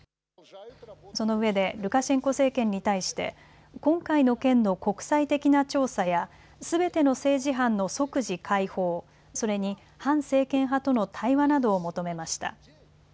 そのうえでルカシェンコ政権に対して今回の件の国際的な調査やすべての政治犯の即時解放、それに反政権派との対話などを求めました。